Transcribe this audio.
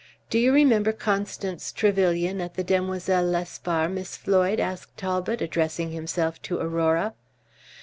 Do you remember Constance Trevyllian at the Demoiselles Lespard, Miss Floyd?" said Talbot, addressing himself to Aurora.